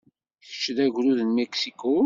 Kečč d agrud n Mexico?